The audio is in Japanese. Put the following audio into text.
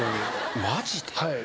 マジで？